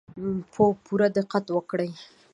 پوره دقت وکړو.